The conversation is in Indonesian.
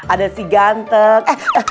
ada si ganteng